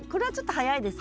早いです。